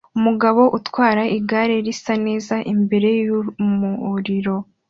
Umugabo atwara igare risa neza imbere yumuriro